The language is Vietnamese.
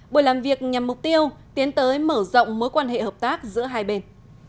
buổi làm việc nhằm mục tiêu tiến tới mở rộng mối quan hệ hợp tác giữa hai bên